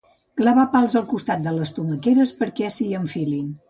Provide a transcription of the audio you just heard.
Clavar pals al costat de les tomaqueres perquè s'hi enfilin.